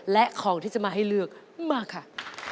และของที่จะมาให้เลือกมาค่ะ